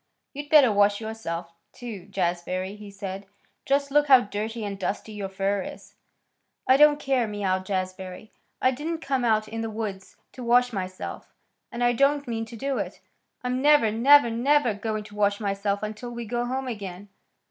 "You'd better wash yourself, too, Jazbury," he said. "Just look how dirty and dusty your fur is." "I don't care," mewed Jazbury. "I didn't come out in the woods to wash myself, and I don't mean to do it. I'm never, never, never going to wash myself until we go home again."